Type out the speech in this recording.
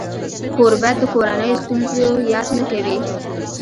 کوربه د کورنۍ ستونزو یاد نه کوي.